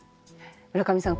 村上さん